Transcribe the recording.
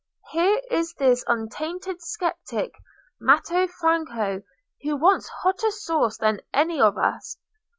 Here is this untainted sceptic, Matteo Franco, who wants hotter sauce than any of us.